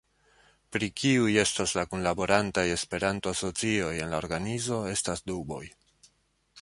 Pri kiuj estas la kunlaborantaj Esperanto-asocioj en la organizo estas duboj.